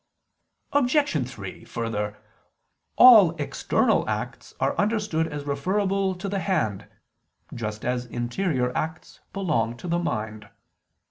Obj. 3: Further, all external acts are understood as referable to the hand, just as interior acts belong to the mind.